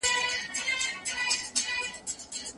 که پوه وي نو پوهه زیاتېږي.